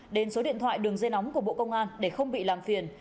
đến số điện thoại đường dây nóng của bộ công an để không bị làm phiền